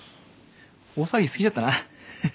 大騒ぎし過ぎちゃったな。